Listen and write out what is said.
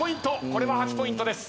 これは８ポイントです。